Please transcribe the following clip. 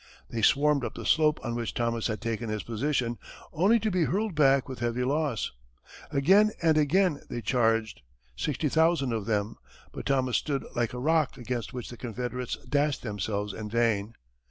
They swarmed up the slope on which Thomas had taken his position, only to be hurled back with heavy loss. Again and again they charged, sixty thousand of them, but Thomas stood like a rock against which the Confederates dashed themselves in vain.